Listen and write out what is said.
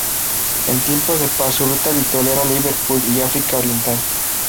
En tiempos de paz su ruta habitual era Liverpool y Africa oriental.